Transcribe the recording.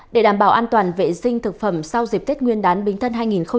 để đảm bảo an toàn vệ sinh thực phẩm sau dịp tết nguyên đán bình thân hai nghìn một mươi sáu